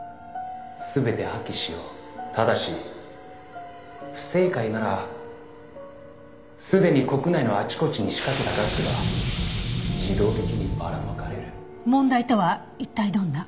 「ただし不正解ならすでに国内のあちこちに仕掛けたガスが自動的にばらまかれる」問題とは一体どんな？